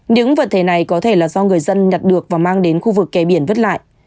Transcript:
những vật thể này có thể là do người dân nhặt được và mang đến khu vực kè biển vứt lại